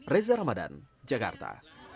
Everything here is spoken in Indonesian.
reza ramadan jakarta